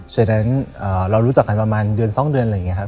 ฉะนั้นเรารู้จักกันประมาณเดือน๒เดือนอะไรอย่างนี้ครับ